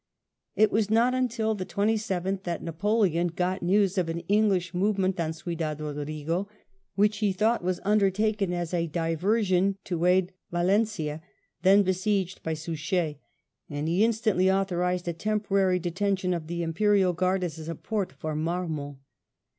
It was not until the 27th that Napoleon got news of an English movement on Ciudad Eodrigo, which he thought was undertaken as a diversion to aid Valen cia, then besieged by Suchet, and he instantly author ised a temporary detention of the Imperial Guard as a support for Marmont.